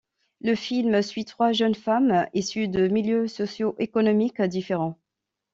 Le film suit trois jeunes femmes issues de milieux socio-économiques différents.